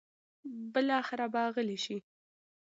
بالاخره به غلې شي.